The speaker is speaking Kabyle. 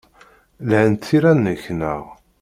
Lhant tira-nnek, naɣ?